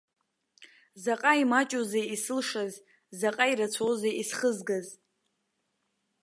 Заҟа имаҷузеи исылшаз, заҟа ирацәоузеи исхызгаз!